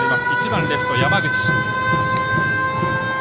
１番、レフトの山口。